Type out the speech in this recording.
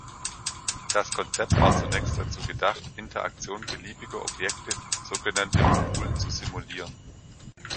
Das Konzept war zunächst dazu gedacht, Interaktion beliebiger Objekte, sogenannte Moduln zu simulieren.